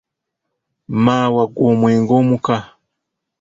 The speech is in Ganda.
Mawa gw'omwenge omuka.